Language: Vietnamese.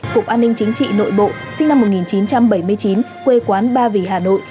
cục an ninh chính trị nội bộ sinh năm một nghìn chín trăm bảy mươi chín quê quán ba vì hà nội